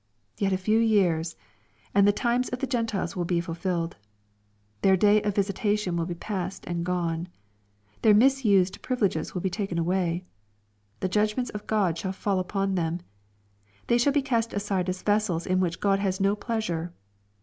Yet a few years, and " the times of the Genti],es will b^ fulfiHed," Their day of visitation will be pa&t and gone^ Their misused privileges will be taken, away^ The judgments of God shall fall on them.. Th^y al^^U be cast aside as vessels in which God has n,o pleasure.